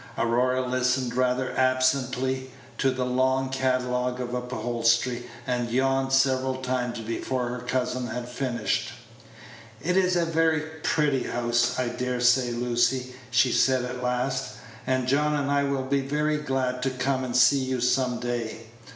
Aurora listened rather absently to the long catalogue of upholstery, and yawned several times before her cousin had finished. "It's a very pretty house, I dare say, Lucy," she said at last, "and John and I will be very glad to come and see you some day.